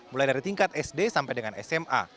mulai dari tingkat sd sampai dengan sma